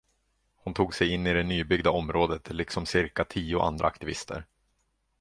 Hon tog sej in i det nybyggda området liksom cirka tio andra aktivister.